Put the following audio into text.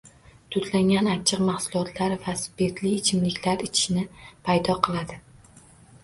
Dudlangan, achchiq mahsulotlar va spirtli ichimliklar shishni paydo qiladi